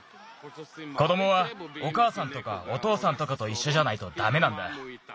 子どもはおかあさんとかおとうさんとかといっしょじゃないとダメなんだ。